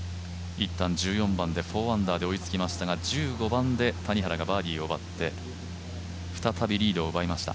いったん、１４番で４アンダーで追いつきましたが１５番で谷原がバーディーを奪って再びリードを奪いました。